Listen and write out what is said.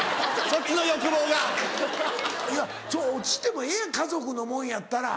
それ落ちてもええやん家族のもんやったら。